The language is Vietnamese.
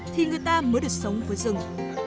thì người ta mới được sống với rừng